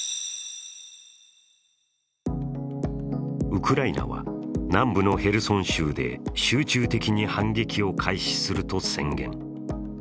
ウクライナは、南部のヘルソン州で集中的に反撃を開始すると宣言。